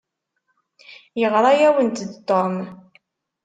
Yeɣra-awent-d Tom.